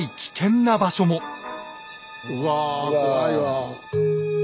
うわ怖いわ。